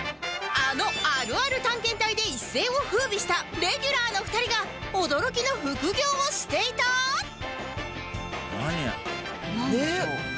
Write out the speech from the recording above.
あのあるある探検隊で一世を風靡したレギュラーの２人が驚きの副業をしていた！？なんでしょう？